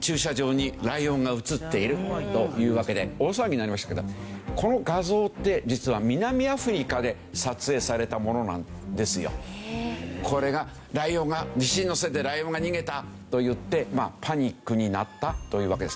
駐車場にライオンが写っているというわけで大騒ぎになりましたけどこの画像って実はこれがライオンが「地震のせいでライオンが逃げた」と言ってパニックになったというわけです。